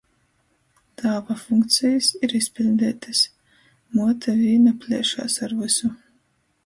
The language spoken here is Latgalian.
Tāva funkcejis ir izpiļdeitys. Muote vīna pliešās ar vysu.